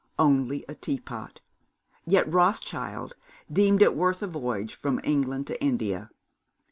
Only a tea pot. Yet Rothschild deemed it worth a voyage from England to India.